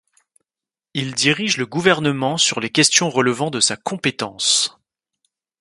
Il dirige le gouvernement sur les questions relevant de sa compétence.